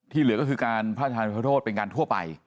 เหลือก็คือการพระราชทานพระโทษเป็นการทั่วไป